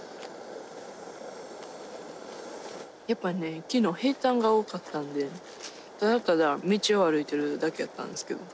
やっぱね昨日平たんが多かったんでただただ道を歩いてるだけやったんですけど。